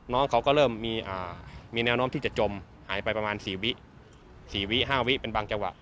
น้องเขาก็เริ่มมีแนวโน้มที่จะจมหายไปประมาณ๔วิ๕วิเป็นบางจังหวะ